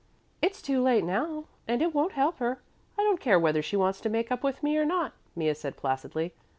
"It's too late now, and it won't help her. I don't care whether she wants to make up with me or not," Mea said placidly.